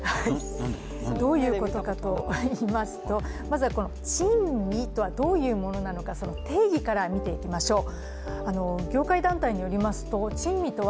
どういうことかといいますと、まずは珍味とはどういうものなのか、その定義から見ていきましょう。